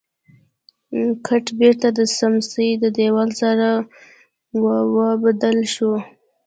ګټ بېرته د سمڅې د دېوال سره واوبدل شو.